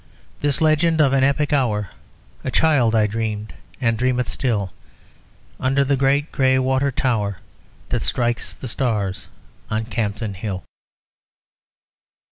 This legend of an epic hour A child I dreamed, and dream it still, Under the great grey water tower That strikes the stars on Campden Hill.